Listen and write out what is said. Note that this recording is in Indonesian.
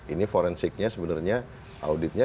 ini forensiknya sebenarnya auditnya